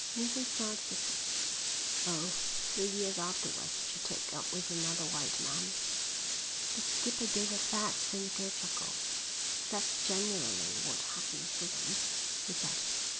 Neilson smiled bitterly. "Oh, three years afterwards she took up with another white man." The skipper gave a fat, cynical chuckle. "That's generally what happens to them," he said.